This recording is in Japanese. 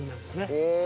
へえ。